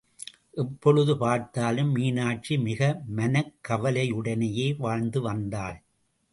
எப்பொழுது பார்த்தாலும் மீனாட்சி மிக மனக் கவலையுடனேயே வாழ்ந்து வந்தாள்.